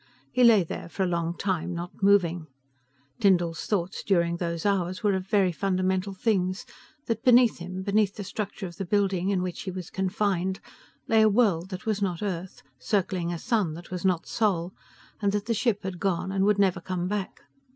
He lay there for a long time, not moving. Tyndall's thoughts during those hours were of very fundamental things, that beneath him, beneath the structure of the building in which he was confined, lay a world that was not Earth, circling a sun that was not Sol, and that the ship had gone and would never come back.